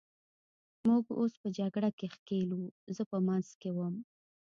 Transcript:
موږ اوس په جګړه کې ښکېل وو، زه په منځ کې وم.